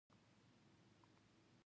د پښتو ژبي مطالعه د ذکاوت نښه ده.